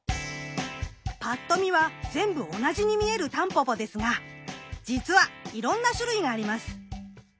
ぱっと見は全部同じに見えるタンポポですがじつはいろんな種類があります。